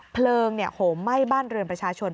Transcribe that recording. เพลิงโหมไหม้บ้านเรือนประชาชน